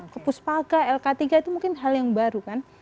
ke puspaka lk tiga itu mungkin hal yang baru kan